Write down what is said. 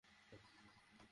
সাত বছর পরে ফিরেছে।